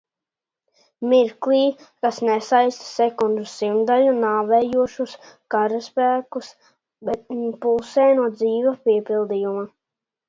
Mirklī, kas neskaita sekunžu simtdaļu nāvējošos karaspēkus, bet pulsē no dzīva piepildījuma.